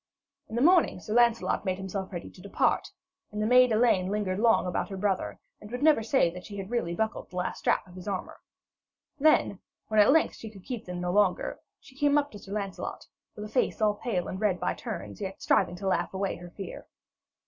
In the morning Sir Lancelot made himself ready to depart, and the maid Elaine lingered long about her brother, and would never say that she had really buckled the last strap of his armour. Then, when at length she could keep them no longer, she came up to Sir Lancelot, with a face all pale and red by turns, yet striving to laugh away her fear.